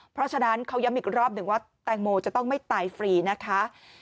เพราะฉะนั้นเขาย้ำอีกรอบหนึ่งว่าแตงโมจะต้องไม่ตายฟรีนะคะ